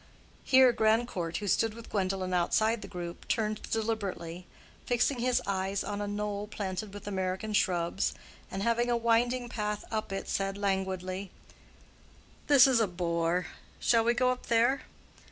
Here Grandcourt, who stood with Gwendolen outside the group, turned deliberately, and fixing his eyes on a knoll planted with American shrubs, and having a winding path up it, said languidly, "This is a bore. Shall we go up there?"